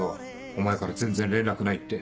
お前から全然連絡ないって。